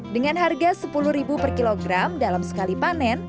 dengan harga sepuluh per kilogram dalam sekali panen